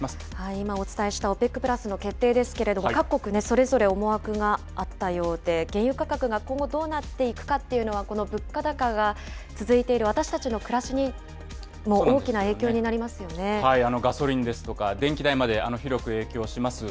今お伝えしたＯＰＥＣプラスの決定ですけれども、各国それぞれ思惑があったようで、原油価格が今後どうなっていくかというのは、この物価高が続いている私たちの暮らしにも大きな影響になりガソリンですとか電気代まで広く影響します。